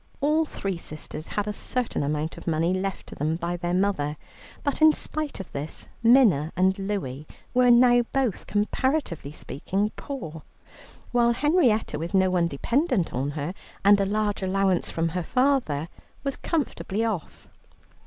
All three sisters had a certain amount of money left to them by their mother, but in spite of this Minna and Louie were now both, comparatively speaking, poor, while Henrietta, with no one dependent on her, and a large allowance from her father, was comfortably off.